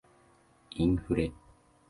インフレ